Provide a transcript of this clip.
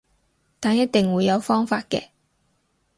但一定會有方法嘅